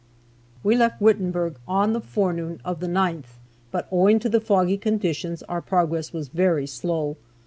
We left Wittenburg on the forenoon of the 9th, but owing to the foggy conditions our progress was very slow.